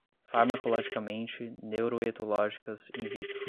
farmacologicamente, neuroetológicas, in vitro